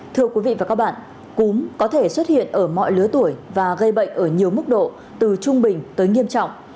thưa quý vị và các bạn cúm có thể xuất hiện ở mọi lứa tuổi và gây bệnh ở nhiều mức độ từ trung bình tới nghiêm trọng